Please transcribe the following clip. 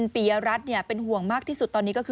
ทีมข่าวไทยรัฐทีวีก็ติดต่อสอบถามไปที่ผู้บาดเจ็บนะคะ